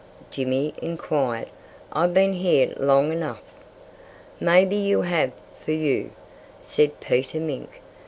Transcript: Jimmy inquired. "I've been here long enough." "Maybe you have for you," said Peter Mink.